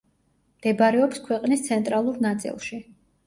მდებარეობს ქვეყნის ცენტრალურ ნაწილში.